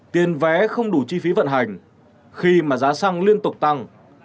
tiền vé không đủ chi phí vận hành khi mà giá xăng liên tục tăng